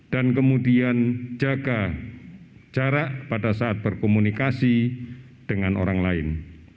dan kemudian jaga jarak pada saat berkomunikasi dengan orang lain